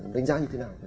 đánh giá như thế nào